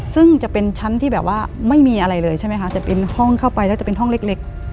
ซึ่งจะเป็นชั้นที่แบบว่าไม่มีอะไรเลยใช่ไหมคะจะเป็นห้องเข้าไปแล้วจะเป็นห้องเล็ก